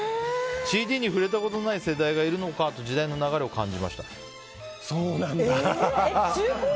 ＣＤに触れたことのない世代がいるのかと時代の流れを感じました。